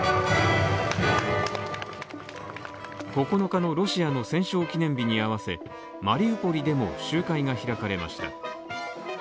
９日のロシアの戦勝記念日に合わせマリウポリでも集会が開かれました。